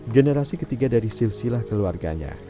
generasi ketiga dari silsilah keluarganya